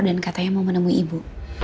dan katanya mau menemui ibu